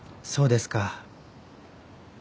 そうですか。